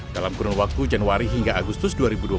dalam kurun waktu januari hingga agustus dua ribu dua puluh